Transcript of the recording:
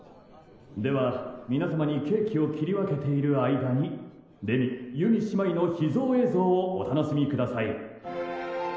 では皆様にケーキを切り分けている間に礼美祐美姉妹の秘蔵映像をお楽しみください。